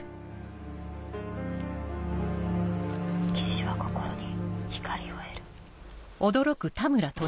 「騎士は心に光を得る」。